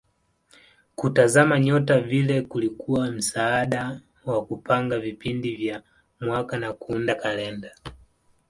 Kutazama nyota vile kulikuwa msaada wa kupanga vipindi vya mwaka na kuunda kalenda.